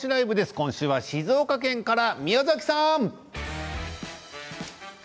今週は静岡県から宮崎さん。